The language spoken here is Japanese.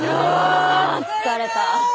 あ疲れた。